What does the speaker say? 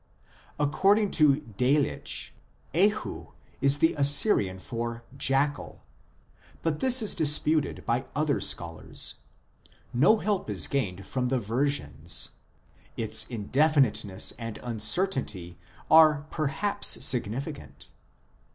2 According to Delitzsch 3 afyu is the Assyrian for " jackal," but this is disputed by other scholars ; no help is gained from the Versions ; its indefiniteness and uncertainty are perhaps significant.